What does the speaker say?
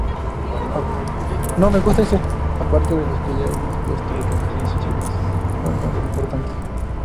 Aparte de los que ya hemos puesto, los haces de secciones son ejemplos importantes.